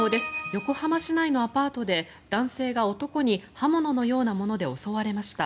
横浜市内のアパートで男性が男に刃物のようなもので襲われました。